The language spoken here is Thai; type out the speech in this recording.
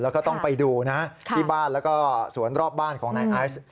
แล้วก็ต้องไปดูนะที่บ้านแล้วก็สวนรอบบ้านของนายไอซ์